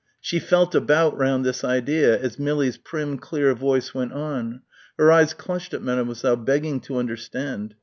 she felt about round this idea as Millie's prim, clear voice went on ... her eyes clutched at Mademoiselle, begging to understand